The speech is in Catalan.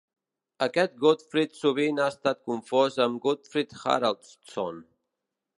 Aquest Godfrid sovint ha estat confós amb Godfrid Haraldsson.